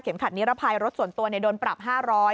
ขัดนิรภัยรถส่วนตัวโดนปรับ๕๐๐